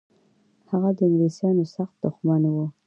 هغه د انګلیسانو سخت دښمن و.